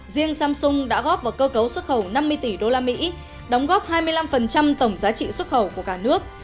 riêng samsung đã góp vào cơ cấu xuất khẩu năm mươi tỷ usd đóng góp hai mươi năm tổng giá trị xuất khẩu của cả nước